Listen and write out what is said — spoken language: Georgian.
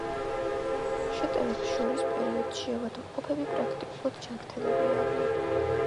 შეტევებს შორის პერიოდში ავადმყოფები პრაქტიკულად ჯანმრთელები არიან.